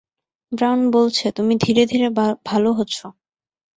Brown বলছে, তুমি ধীরে ধীরে ভাল হচ্ছ।